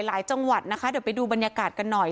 จังหวัดนะคะเดี๋ยวไปดูบรรยากาศกันหน่อย